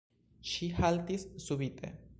Ŝi haltis subite.